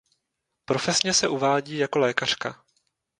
Profesně se uvádí jako lékařka.